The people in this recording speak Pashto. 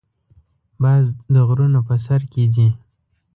باز د غرونو په سر کې ځې